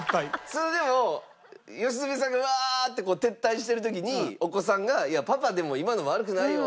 それでも良純さんがワーッて撤退してる時にお子さんが「パパでも今の悪くないよ」とかそういう。